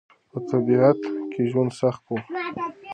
په تبعيد کې ژوند سخت و.